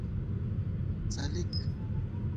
څَلِک